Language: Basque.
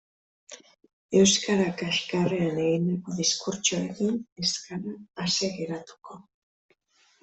Euskara kaxkarrean egindako diskurtsoekin ez gara ase geratuko.